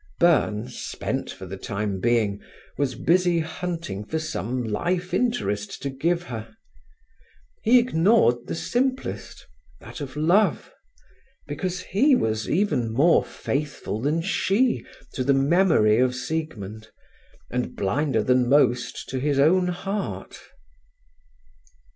Byrne, spent for the time being, was busy hunting for some life interest to give her. He ignored the simplest—that of love—because he was even more faithful than she to the memory of Siegmund, and blinder than most to his own heart.